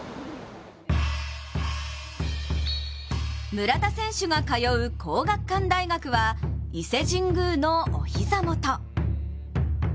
村田選手が通う皇學館大学は伊勢神宮のお膝元。